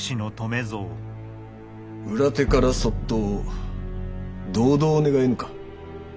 裏手からそっと同道願えぬか？